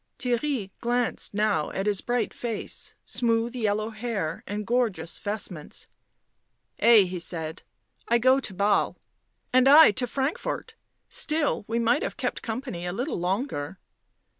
... Theirry glanced now at his bright face, smooth yellow hair and gorgeous vestments. " Ay," he said. " I go to Basle. " And I to Frankfort ; still, we might have kept company a little longer."